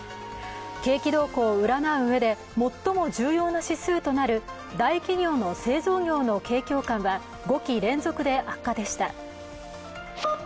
景気動向を占ううえで最も重要な指数となる大企業の製造業の景況感は５期連続で悪化でした。